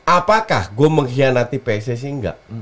apakah gue mengkhianati pcsi nggak